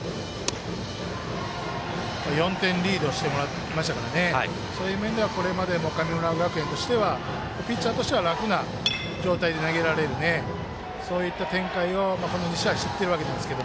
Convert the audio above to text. ４点リードしてましたからそういう面では、これまでも神村学園としてはピッチャーとしては楽な状態で投げられるそういった展開をこの２試合してるわけなんですが。